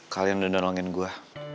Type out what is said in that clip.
kalian udah nolongin gue